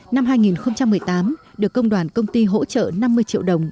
năm hai nghìn một mươi tám được công đoàn công ty hỗ trợ năm mươi triệu đồng